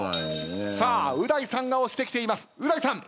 さあう大さんが押してきていますう大さん。